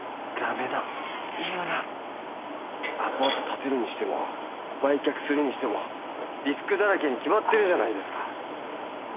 建てるにしても売却するにしてもリスクだらけに決まってるじゃないですか。